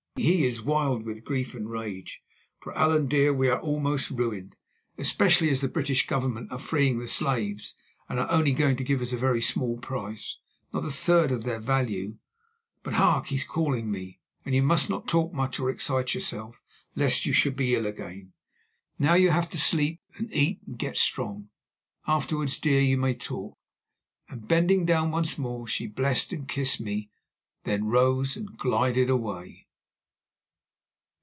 He is wild with grief and rage, for, Allan dear, we are almost ruined, especially as the British Government are freeing the slaves and only going to give us a very small price, not a third of their value. But, hark! he is calling me, and you must not talk much or excite yourself, lest you should be ill again. Now you have to sleep and eat and get strong. Afterwards, dear, you may talk"; and, bending down once more, she blessed and kissed me, then rose and glided away.